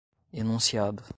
enunciado